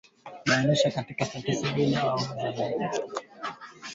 Banakatala banamuke kwanza kurima kwasho mikanda